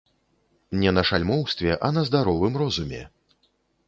Не на шальмоўстве, а на здаровым розуме.